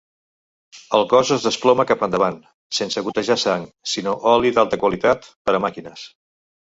El cos es desploma cap endavant, sense gotejar sang, sinó oli d'alta qualitat per a màquines.